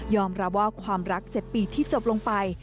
รับว่าความรัก๗ปีที่จบลงไป